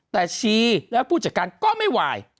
แต่ชีแล้วผู้จัดการก็ไม่ไหว